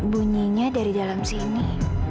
bunyinya dari dalam sini